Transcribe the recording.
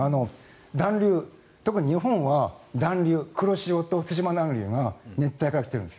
暖流、特に日本は暖流、黒潮と対馬暖流が熱帯化しているんです。